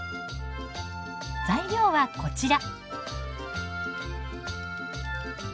材料はこちら。